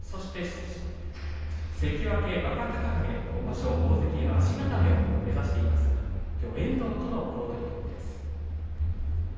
若隆景は今場所大関への足固めを目指していますがきょうは遠藤との好取組です。